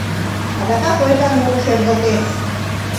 Адакат ойган муро шергылтеш.